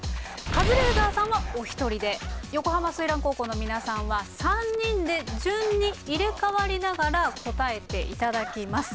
カズレーザーさんはお一人で横浜翠嵐高校の皆さんは３人で順に入れ代わりながら答えていただきます。